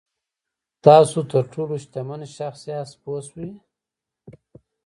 تاسو تر ټولو شتمن شخص یاست پوه شوې!.